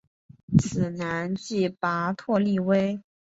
此男即拓跋力微。